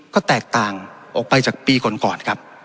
ก็แตกต่างออกไปจากปีก่อนครับ